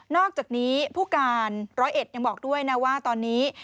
อกจากนี้ผู้การร้อยเอ็ดยังบอกด้วยนะว่าตอนนี้